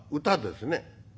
「歌ですね」。